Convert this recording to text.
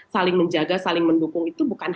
saling menjaga saling mendukung itu bukan